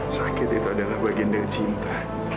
sakit itu adalah bagian dari cinta